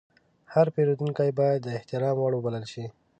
هر پیرودونکی باید د احترام وړ وبلل شي.